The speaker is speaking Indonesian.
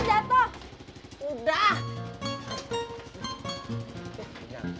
ah bang jatuh